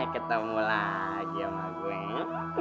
ketemu lagi sama gue